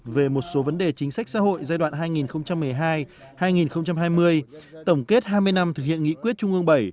về một số vấn đề chính sách xã hội giai đoạn hai nghìn một mươi hai hai nghìn hai mươi tổng kết hai mươi năm thực hiện nghị quyết trung ương bảy